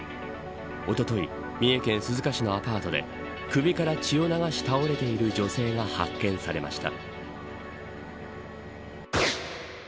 おととい三重県鈴鹿市のアパートで首から血を流し倒れている女性が発見されました。